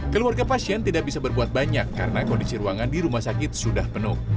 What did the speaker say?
keluarga pasien tidak bisa berbuat banyak karena kondisi ruangan di rumah sakit sudah penuh